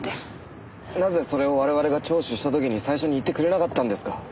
なぜそれを我々が聴取した時に最初に言ってくれなかったんですか？